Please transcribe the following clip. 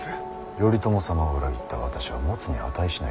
頼朝様を裏切った私は持つに値しない。